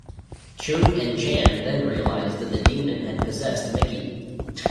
Cheung and Chan then realize that the demon had possessed Micky.